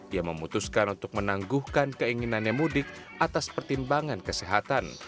ia memutuskan untuk menangguhkan keinginannya mudik atas pertimbangan kesehatan